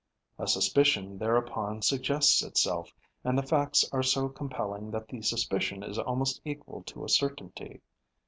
A suspicion thereupon suggests itself; and the facts are so compelling that the suspicion is almost equal to a certainty.